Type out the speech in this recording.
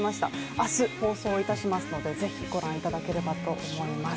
明日、放送いたしますのでぜひ御覧いただければと思います。